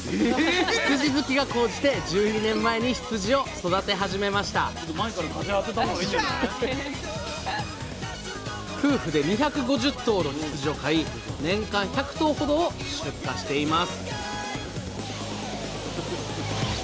羊好きが高じて１２年前に羊を育て始めました夫婦で２５０頭の羊を飼い年間１００頭ほどを出荷しています